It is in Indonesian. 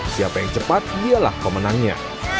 siapa yang cepat dialah pemenangnya